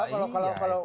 kalau kalau kalau